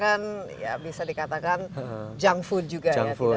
kalau fast food sekarang kan bisa dikatakan junk food juga ya